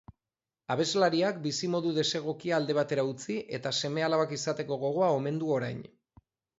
Abeslariak bizimodu desegokia alde batera utzi eta seme-alabak izateko gogoa omen du orain.